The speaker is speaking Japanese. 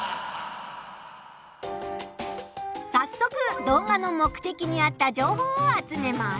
さっそく動画の目的にあった情報を集めます。